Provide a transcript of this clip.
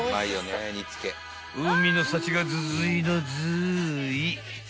［海の幸がずずいのずい］